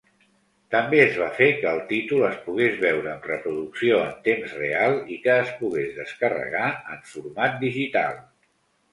També es va fer que el títol es pogués veure amb reproducció en temps real i que es pogués descarregar en format digital.